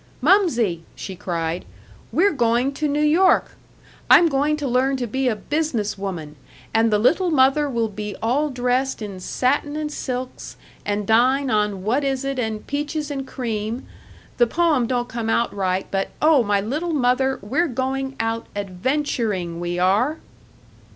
"Mumsie!" she cried, "we're going to New York! I'm going to learn to be a business woman, and the little mother will be all dressed in satin and silks, and dine on what is it and peaches and cream the poem don't come out right, but, oh, my little mother, we're going out adventuring, we are!"